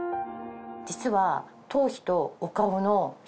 実は。